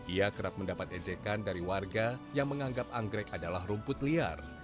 ia kerap mendapat ejekan dari warga yang menganggap anggrek adalah rumput liar